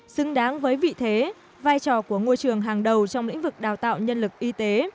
xứng đáng với vị thế vai trò của ngôi trường hàng đầu trong lĩnh vực đào tạo nhân lực y tế